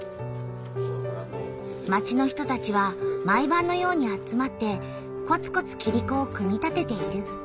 町の人たちは毎ばんのように集まってこつこつキリコを組み立てている。